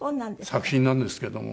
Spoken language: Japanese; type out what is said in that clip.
作品なんですけども。